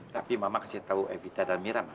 tapi mama kasih tahu evita dan mira